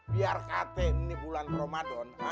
biar kakek ini bulan ramadan